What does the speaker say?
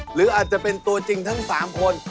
หรืออาจจะเป็นตัวจริงทั้ง๓คน